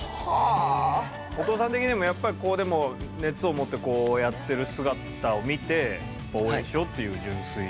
お父さん的にもやっぱりこうでも熱を持ってこうやってる姿を見て応援しようっていう純粋な？